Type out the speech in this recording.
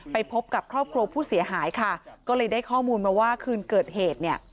ไปพบกับครอบครัวผู้เสียหายค่ะก็เลยได้ข้อมูลมาว่าคืนเกิดเหตุเนี่ย